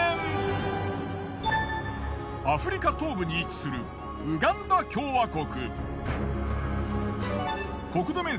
アフリカ東部に位置するウガンダ共和国。